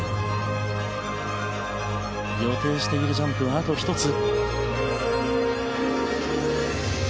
予定しているジャンプはあと１つ。